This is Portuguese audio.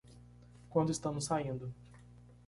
Quando estamos saindo